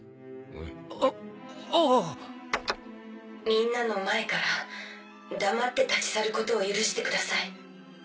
みんなの前から黙って立ち去ることを許してください